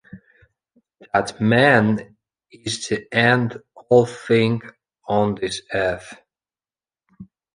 That man is the end-all thing on this earth.